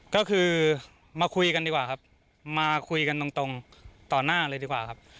ก็คือมาคุยกันดีกว่าครับมาคุยกันตรงต่อหน้าเลยดีกว่าครับ